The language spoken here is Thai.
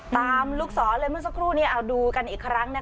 ลูกศรเลยเมื่อสักครู่นี้เอาดูกันอีกครั้งนะคะ